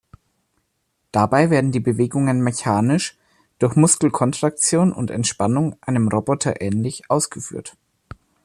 Dabei werden die Bewegungen „mechanisch“, durch Muskelkontraktion und -entspannung einem Roboter ähnlich, ausgeführt.